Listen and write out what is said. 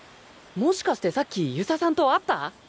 もしかしてさっき遊佐さんと会った？